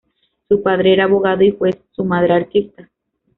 Su padre era abogado y juez, su madre artista.